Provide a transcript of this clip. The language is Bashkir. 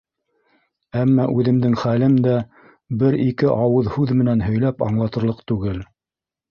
Әммә үҙемдең хәлем дә бер-ике ауыҙ һүҙ менән һөйләп аңлатырлыҡ түгел.